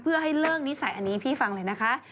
เพื่อให้เลิกนิสัยอันนี้พี่ฟังเลยนะคะ